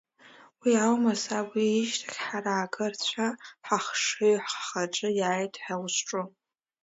Уи аума, саб, уи ишьҭахь ҳара агырцәа ҳахшыҩ ҳхаҿы иааит ҳәа узҿу?